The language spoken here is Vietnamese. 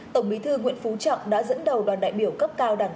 tổng bí thư nguyễn phú trọng đã dẫn đầu đoàn đại biểu cấp cao đảng